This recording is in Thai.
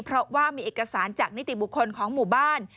เพราะว่ามีเอกสารจากนิติบุคคลของหมู่บ้าน